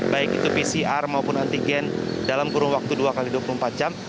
baik itu pcr maupun antigen dalam kurun waktu dua x dua puluh empat jam